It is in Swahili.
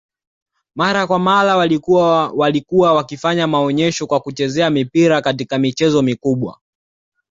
mara kwa mara walikua walikua wakifanya maonyesho kwa kuchezea mipira katika michezo mikubwa